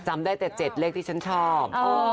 จำได้แต่๗เลขที่ฉันชอบ